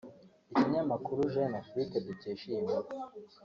Ikinyamakuru Jeune Afrique dukesha iyi nkuru